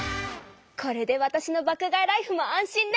これでわたしの爆買いライフも安心ね！